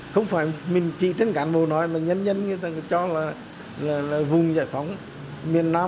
không phải mình chỉ trên cán bộ nói mà nhân dân người ta cho là vùng giải phóng miền nam